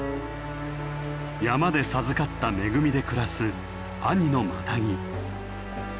山で授かった恵みで暮らす阿仁のマタギ。